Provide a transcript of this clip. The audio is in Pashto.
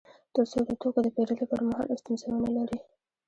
تر څو د توکو د پېرلو پر مهال ستونزه ونلري